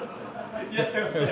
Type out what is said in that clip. いらっしゃいませ。